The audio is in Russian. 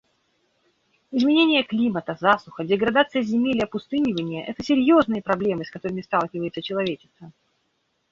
Изменение климата, засуха, деградация земель и опустынивание — это серьезные проблемы, с которыми сталкивается человечество.